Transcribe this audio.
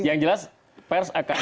yang jelas pers akurasi